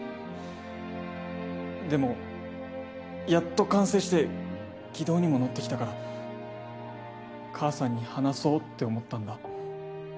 でもやっと完成して軌道にも乗ってきたから母さんに話そうって思ったんだ。